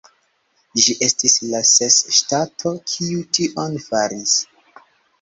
Ĝi estis la ses ŝtato kiu tion faris.